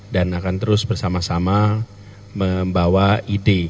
dan akan terus bersama sama membawa ide